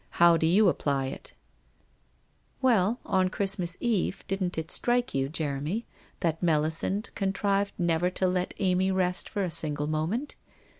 How do you apply it ?'* Well, on Christmas Eve, didn't it strike you, Jeremy, that Melisande contrived never to let Amy rest for a single moment?